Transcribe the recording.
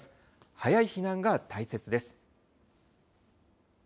早い避難が大切です。